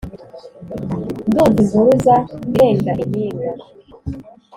Ndumva impuruza irenga impinga,